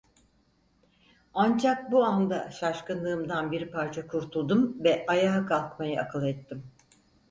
Ancak bu anda şaşkınlığımdan bir parça kurtuldum ve ayağa kalkmayı akıl ettim.